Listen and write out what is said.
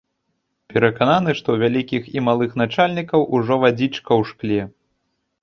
Перакананы, што ў вялікіх і малых начальнікаў ужо вадзічка ў шкле.